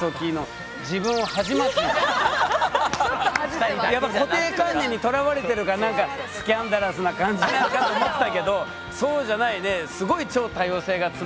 最初の俺やっぱ固定観念にとらわれてるのかなんかスキャンダラスな感じなのかと思ってたけどそうじゃないねすごい超多様性が詰まってたよね。